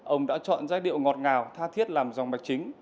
ông đã chọn giai điệu ngọt ngào tha thiết làm dòng bạch chính